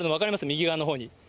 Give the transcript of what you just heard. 右側のほうに。